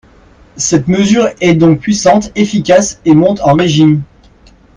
Cette mesure est donc puissante, efficace, et monte en régime.